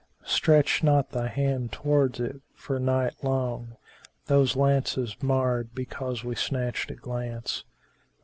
Stretch not thy hand towards it, for night long * Those lances marred because we snatched a glance!